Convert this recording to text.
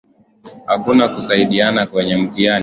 Hakuna kusaidiana kwenye mtihani.